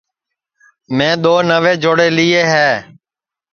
میں دؔو نئوے جوڑے لئیے ہے